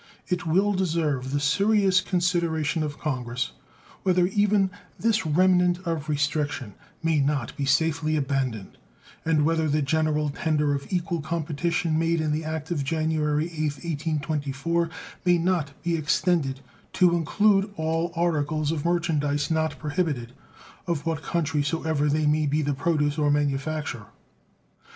It will deserve the serious consideration of Congress whether even this remnant of restriction may not be safely abandoned, and whether the general tender of equal competition made in the act of January 8th, 1824, maynot be extended to include all articles of merchandise not prohibited, of what country so ever they may be the produce or manufacture.